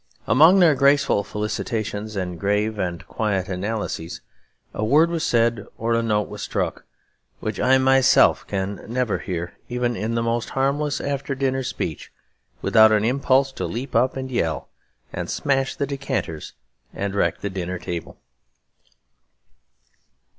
Among their graceful felicitations and grave and quiet analyses a word was said, or a note was struck, which I myself can never hear, even in the most harmless after dinner speech, without an impulse to leap up and yell, and smash the decanters and wreck the dinner table.